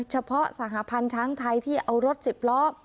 สหพันธ์ช้างไทยที่เอารถสิบล้อ